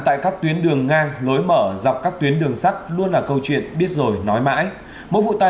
tại các đường ngang lối mở